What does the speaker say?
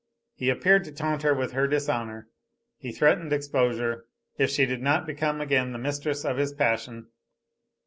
He appeared to taunt her with her dishonor, he threatened exposure if she did not become again the mistress of his passion.